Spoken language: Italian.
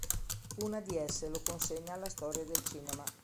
Una di esse lo consegna alla storia del cinema.